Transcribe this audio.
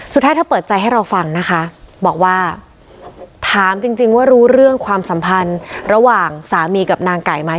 เธอเปิดใจให้เราฟังนะคะบอกว่าถามจริงว่ารู้เรื่องความสัมพันธ์ระหว่างสามีกับนางไก่ไหม